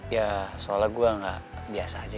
ya soalnya gue gak biasa aja